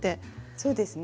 そうですね